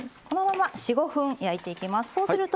このまま４５分焼いていきます。